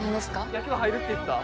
・野球部入るって言った？